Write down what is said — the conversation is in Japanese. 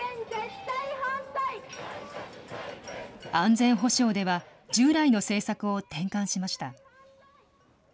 安全保障では、従来の政策を転換しました。